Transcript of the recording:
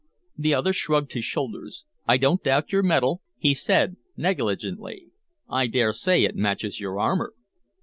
The other shrugged his shoulders. "I don't doubt your mettle," he said negligently. "I dare say it matches your armor."